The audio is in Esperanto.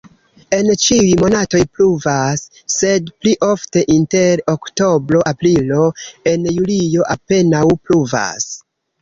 En ĉiuj monatoj pluvas, sed pli ofte inter oktobro-aprilo, en julio apenaŭ pluvas.